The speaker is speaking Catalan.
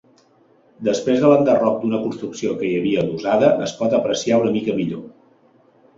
Després de l'enderroc d'una construcció que hi havia adossada, es pot apreciar una mica millor.